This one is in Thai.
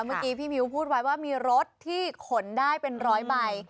เมื่อกี้พี่มิ้วพูดไว้ว่ามีรถที่ขนได้เป็นร้อยใบ